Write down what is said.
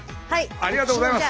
ありがとうございます。